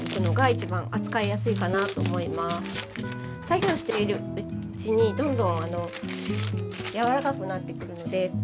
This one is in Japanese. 作業しているうちにどんどんあのやわらかくなってくるので。